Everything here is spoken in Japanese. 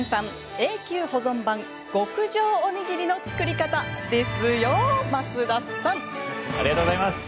永久保存版極上おにぎりの作り方ですよ増田さん。